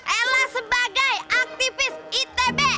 ella sebagai aktivis itb